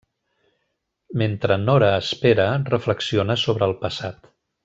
Mentre Nora espera, reflexiona sobre el passat.